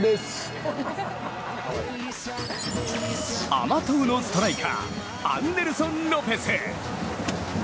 甘党のストライカーアンデルソン・ロペス。